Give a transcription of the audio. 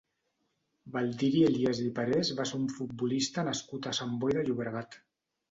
Baldiri Elías i Parés va ser un futbolista nascut a Sant Boi de Llobregat.